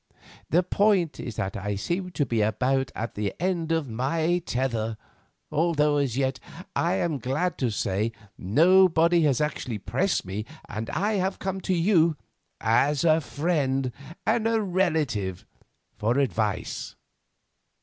"The point is that I seem to be about at the end of my tether, although, as yet, I am glad to say, nobody has actually pressed me, and I have come to you, as a friend and a relative, for advice.